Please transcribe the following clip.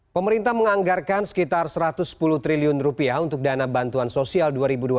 pemerintah menganggarkan sekitar rp satu ratus sepuluh triliun untuk dana bantuan sosial dua ribu dua puluh